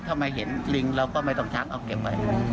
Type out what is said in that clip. ถ้าไม่เห็นลิงเราก็ไม่ต้องชักเอาเก็บไว้